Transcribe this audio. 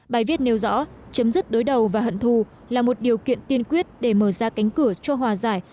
bài viết nêu rõ chấm dứt đối đầu và hận thù là một điều kiện tiên quyết để mở ra cánh cửa cho hòa giải